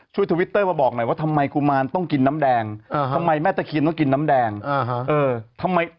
ช่วยทวิตเตอร์มาบอกหน่อยว่าทำไมกุมารต้องกินน้ำแดงอ่าฮะทำไมแม่ตะครีนต้องกินน้ำแดงอ่าฮะเออทำไม